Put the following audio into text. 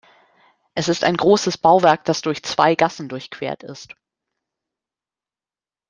Es ist ein großes Bauwerk, das durch zwei Gassen durchquert ist.